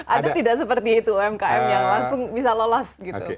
ada tidak seperti itu umkm yang langsung bisa lolos gitu